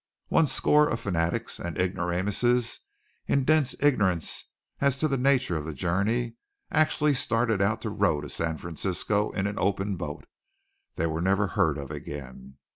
One score of fanatics and ignoramuses, in dense ignorance as to the nature of the journey, actually started out to row to San Francisco in an open boat! They were never heard of again.